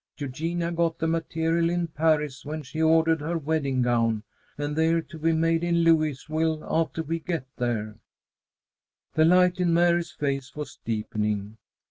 Eugenia got the material in Paris when she ordered her wedding gown, and they're to be made in Louisville after we get there." The light in Mary's face was deepening.